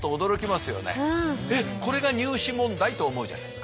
「えっこれが入試問題？」と思うじゃないですか。